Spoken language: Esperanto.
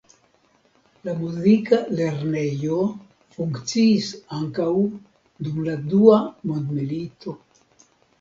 La muzika lernejo funkciis ankaŭ dum la dua mondmilito.